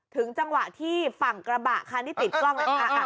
ถึงจังหวะที่ฝั่งกระบะคันที่ติดกล้องนะคะ